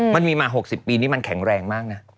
มันมีมา๖๐ปีนี้มันแข็งแรงมากนะ